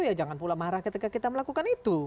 ya jangan pula marah ketika kita melakukan itu